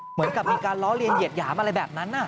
เหมือนกับมีการเลาะเรียนเหยียดหยามอะไรแบบนั้นน่ะ